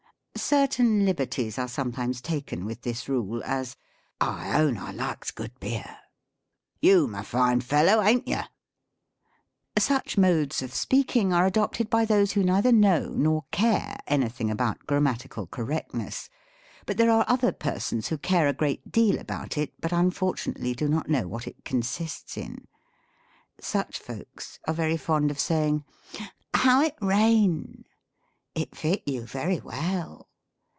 Certain liberties are sometimes taken with this rule : as, " I own I likes good beer." You'm a fine fellow, aint yer?" Such modes of speaking are adopted by those who neither know nor care anything about gram matical correctness ; but there are other persons who tare a great deal about it, but unfortunately do not know what it consists in. Such folks are very fond of saying, " How it rain !"" It fit you very well."